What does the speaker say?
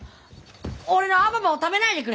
俺のアババを食べないでくれ！